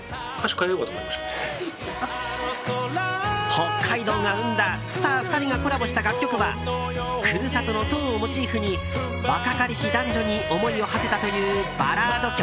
北海道が生んだスター２人がコラボした楽曲は故郷の塔をモチーフに若かりし男女に思いをはせたというバラード曲。